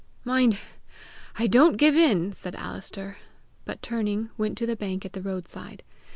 "Mind, I don't give in!" said Alister, but turning went to the bank at the roadside.